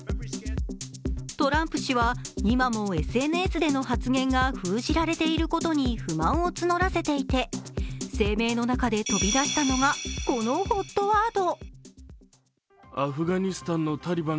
トランプ氏は今もＳＮＳでの発言が封じられていることに不満を募らせていて声明の中で飛び出したのがこのＨＯＴワード。